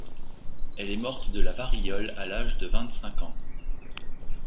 Elle est morte de la variole à l'âge de vingt-cinq ans.